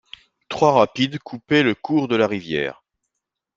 Trois rapides coupaient le cours de la rivière.